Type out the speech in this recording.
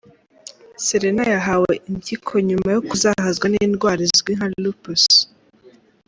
Serena yahawe impyiko nyuma yo kuzahazwa n’indwara izwi nka Lupus.